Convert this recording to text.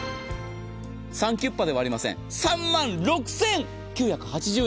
サンキュッパではありません、３万６９８０円。